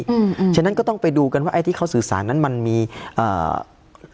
อืมฉะนั้นก็ต้องไปดูกันว่าไอ้ที่เขาสื่อสารนั้นมันมีอ่า